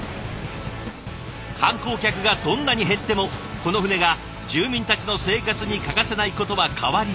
観光客がどんなに減ってもこの船が住民たちの生活に欠かせないことは変わりない。